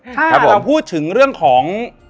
ถ้าเราพูดถึงเรื่องของ